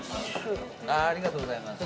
ありがとうございます。